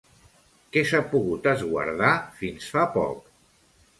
Què s'ha pogut esguardar fins fa poc?